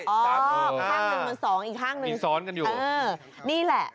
ข้างหนึ่งมันสองอีกข้างหนึ่งยังซ้อนกันอยู่เออนี่แหละ